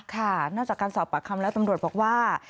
นอกจากการสอบปากคำแล้วตำรวจบอกว่า